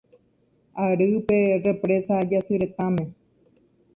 Ary pe Represa Jasyretãme.